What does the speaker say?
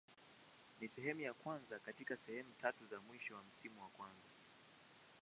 Ni sehemu ya kwanza katika sehemu tatu za mwisho za msimu wa kwanza.